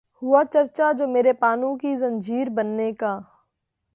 ہوا چرچا جو میرے پانو کی زنجیر بننے کا